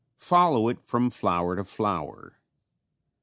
Follow it from flower to flower.